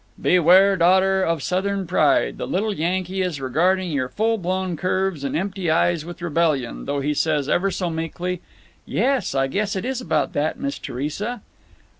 Beware, daughter of Southern pride! The little Yankee is regarding your full blown curves and empty eyes with rebellion, though he says, ever so meekly: "Yes, I guess it is about that, Miss Theresa."